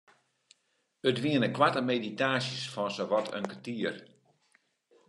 It wiene koarte meditaasjes fan sawat in kertier.